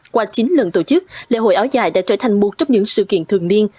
qua chín lần tổ chức lễ hội áo dài đã trở thành một trong những sự kiện thường niên